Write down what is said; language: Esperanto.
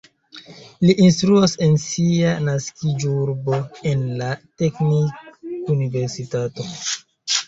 Li instruas en sia naskiĝurbo en la teknikuniversitato.